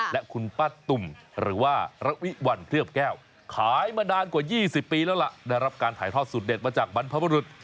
และคุณป้าตุ่มหรือว่าระวิวัลเคลือบแก้วขายมานานกว่า๒๐ปีแล้วล่ะได้รับการถ่ายทอดสูตรเด็ดมาจากบรรพบรุษ